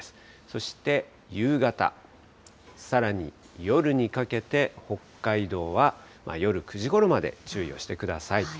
そして夕方、さらに夜にかけて、北海道は夜９時ごろまで注意をしてください。